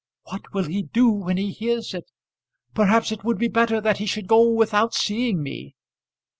What will he do when he hears it? Perhaps it would be better that he should go without seeing me."